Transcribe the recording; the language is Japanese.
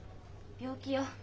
病気よ。